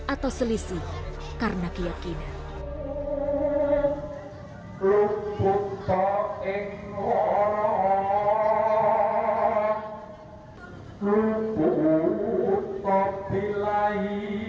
atau selisih karena keyakinan